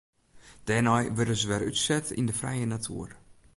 Dêrnei wurde se wer útset yn de frije natoer.